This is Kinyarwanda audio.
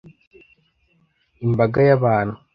imbaga y'abantu